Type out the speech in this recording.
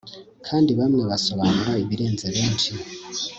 Kandi bamwe basobanura ibirenze benshi